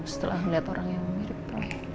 setelah melihat orang yang mirip